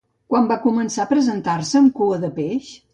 Quan van començar a representar-se amb cua de peix?